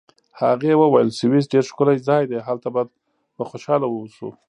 هغې وویل: سویس ډېر ښکلی ځای دی، هلته به خوشحاله واوسو.